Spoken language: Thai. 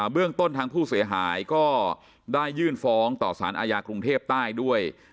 เรื่องต้นทางผู้เสียหายก็ได้ยื่นฟ้องต่อสารอาญากรุงเทพใต้ด้วย